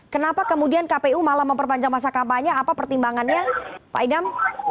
kenapa kemudian kpu malah memperpanjang masa kampanye apa pertimbangannya pak idam